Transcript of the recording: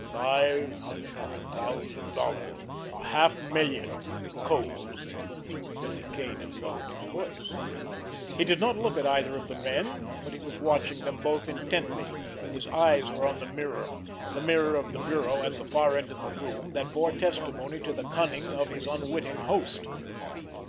"Five hundred thousand dollars—a half million—cold"—Billy Kane had lowered his voice. He did not look at either of the men, but he was watching them both intently—his eyes were on the mirror, the mirror of the bureau at the far end of the room, that bore testimony to the cunning of his unwitting host.